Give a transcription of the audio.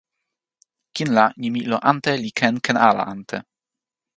kin la, nimi ilo ante li ken ken ala ante.